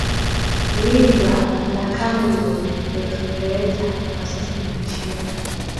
lindwa la Kamerun ya KiingerezaKwa sasa ni nchi ya